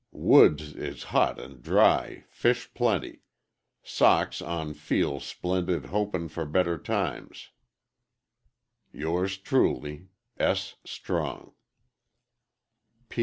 woods is hot and dry fish plenty Socks on feel splendid hopin for better times "yours trewly "S. Strong.